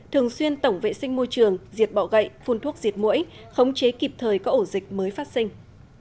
thường xuyên tổng vệ sinh môi trường diệt bọ gậy phun thuốc diệt mũi khống chế kịp thời có ổ dịch mới phát sinh